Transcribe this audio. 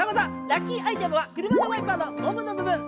ラッキーアイテムは車のワイパーのゴムのぶぶん。